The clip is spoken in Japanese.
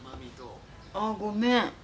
あっごめん。